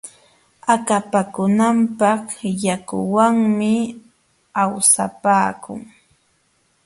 Akapakunakaq yakuwanmi awsapaaku.